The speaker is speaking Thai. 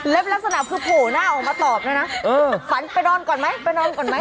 เล่มลักษณะผูหน้าออกมาตอบเลยนะฝันไปนอนก่อนไหมไปนอนก่อนไหม